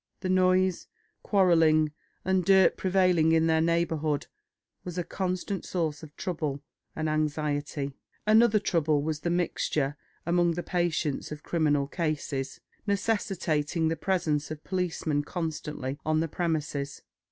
The noise, quarrelling, and dirt prevailing in their neighbourhood was a constant source of trouble and anxiety. Another trouble was the mixture among the patients of criminal cases, necessitating the presence of policemen constantly on the premises.